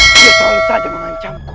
dia selalu saja mengancamku